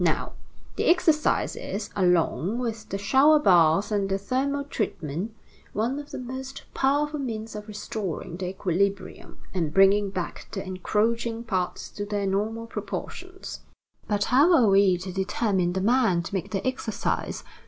"Now, the exercise is, along with the shower bath and the thermal treatment, one of the most powerful means of restoring the equilibrium and bringing back the encroaching parts to their normal proportions. "But how are we to determine the man to make the exercise?